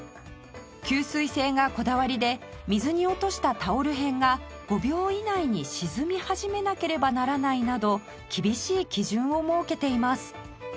吸水性がこだわりで水に落としたタオル片が５秒以内に沈み始めなければならないなど厳しい基準を設けています